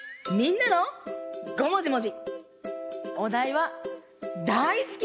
みんなもごもじもじ。